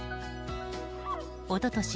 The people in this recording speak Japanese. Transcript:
一昨年